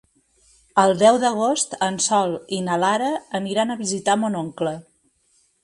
El deu d'agost en Sol i na Lara aniran a visitar mon oncle.